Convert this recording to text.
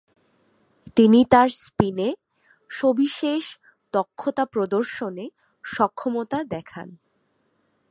তিনি তার স্পিনে সবিশেষ দক্ষতা প্রদর্শনে সক্ষমতা দেখান।